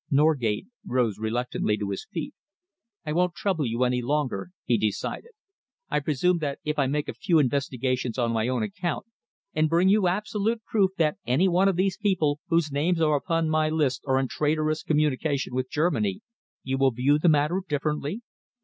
Norgate rose reluctantly to his feet. "I won't trouble you any longer," he decided. "I presume that if I make a few investigations on my own account, and bring you absolute proof that any one of these people whose names are upon my list are in traitorous communication with Germany, you will view the matter differently?"